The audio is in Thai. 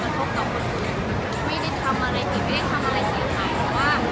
เพราะเราก็คอนโฟน์งานไปเรียบร้อยแล้วเค้าก็ส่งรายละเอียดที่ดูมาทุกอย่างแล้ว